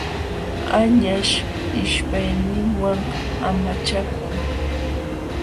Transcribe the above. Añaśh ishpayninwan amachakun.